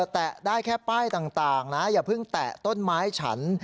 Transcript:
แตะได้แค่ป้ายต่างนะอย่าเพิ่งแตะต้นไม้ฉัน